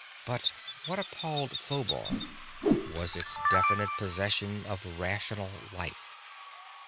But what appalled Phobar was its definite possession of rational life.